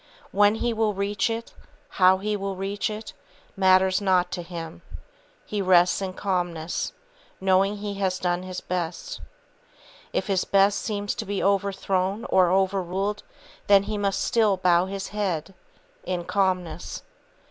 When he will reach it, how he will reach it, matters not to him. He rests in calmness, knowing he has done his best. If his best seem to be overthrown or overruled, then he must still bow his head, in calmness.